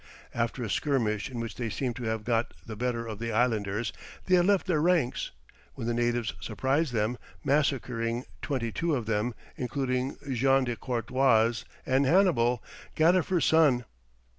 After a skirmish, in which they seemed to have got the better of the islanders, they had left their ranks, when the natives surprised them, massacring twenty two of them, including Jean de Courtois and Hannibal, Gadifer's son.